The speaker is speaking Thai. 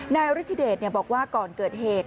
นายฤทธิเดชบอกว่าก่อนเกิดเหตุ